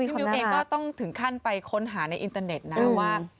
มิ้วเองก็ต้องถึงขั้นไปค้นหาในอินเตอร์เน็ตนะว่า